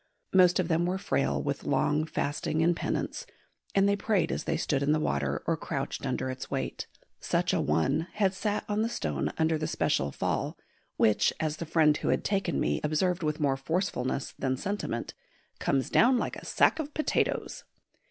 Most of them were frail with long fasting and penance, and they prayed as they stood in the water or crouched under its weight. Such a one had sat on the stone under the special fall which, as the friend who had taken me observed with more forcefulness than sentiment, "comes down like a sack of potatoes."